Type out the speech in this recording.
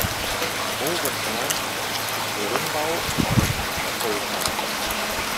Movin' Man" und "Berimbau" waren nicht erfolgreich.